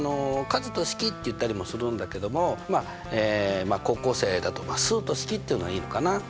「数と式」って言ったりもするんだけどもまあ高校生だと「数と式」って言うのがいいのかな。